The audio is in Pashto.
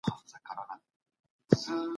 د هند په ګرمۍ کي پښتنو څنګه ځانونه ساتل؟